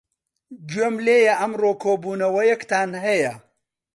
گوێم لێیە ئەمڕۆ کۆبوونەوەیەکتان هەیە.